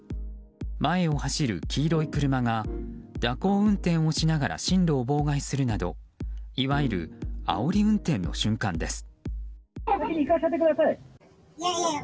前を走る黄色い車が蛇行運転をしながら進路を妨害するなどいわゆる、あおり運転の瞬間です。